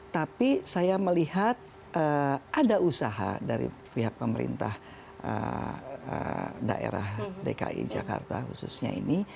tapi saya melihat ada usaha dari pihak pemerintah daerah dki jakarta khususnya ini